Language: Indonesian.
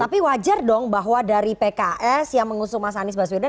tapi wajar dong bahwa dari pks yang mengusung mas anies baswedan